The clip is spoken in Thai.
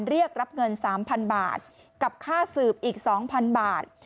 เรียกรับเงิน๓๐๐๐บาทกับค่าสืบอีก๒๐๐๐บาท